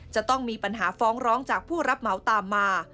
จะต้องมีปัญหาฟ้องร้องจากผู้รับเหมาตามมา